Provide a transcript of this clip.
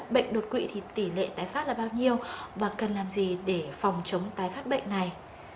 bệnh đột quỵ thì tỷ lệ tái phát là bao nhiêu và cần làm gì để phòng chống tái phát bệnh này